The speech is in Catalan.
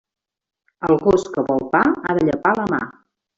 El gos que vol pa ha de llepar la mà.